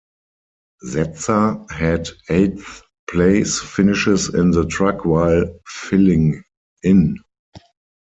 Setzer had eighth-place finishes in the truck while filling in.